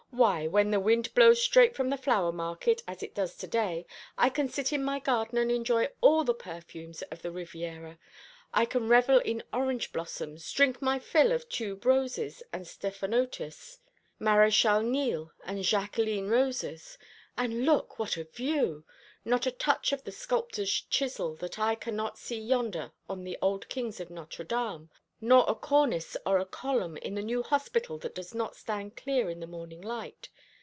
"Why, when the wind blows straight from the flower market, as it does to day, I can sit in my garden and enjoy all the perfumes of the Riviera. I can revel in orange blossoms, drink my fill of tube roses and stephanotis, Maréchal Niel and Jacqueline roses. And look what a view! Not a touch of the sculptor's chisel that I cannot see yonder on the old kings of Notre Dame; not a cornice or a column in the new hospital that does not stand clear in the morning light!